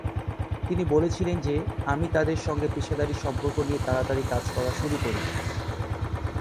তিনি বলেছিলেন যে, 'আমি তাঁদের সঙ্গে পেশাদারি সম্পর্ক নিয়ে তাড়াতাড়ি কাজ করা শুরু করি।'